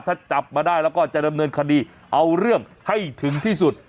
ถ้าจับมาได้แล้วก็จะดำเนินคดีเอาเรื่องให้ถึงที่สุด